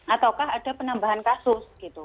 ataukah ada penambahan kasus gitu